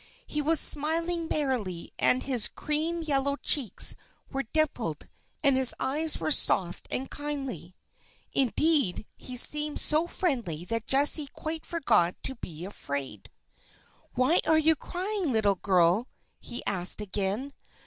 He was smiling merrily, and his cream yellow cheeks were dimpled, and his eyes soft and kindly. Indeed, he seemed so friendly that Jessie quite forgot to be afraid. "Why are you crying, little girl?" he asked again.